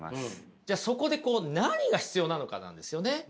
そこでこう何が必要なのかなんですよね。